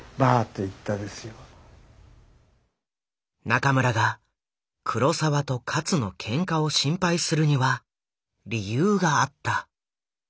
中村が黒澤と勝のけんかを心配するには理由があった。